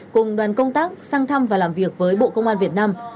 cùng đoàn công tác sang thăm và làm việc với bộ công an việt nam